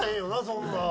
そんなん。